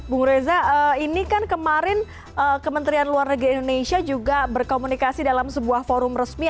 bung reza ini kan kemarin kementerian luar negeri indonesia juga berkomunikasi dalam sebuah forum resmi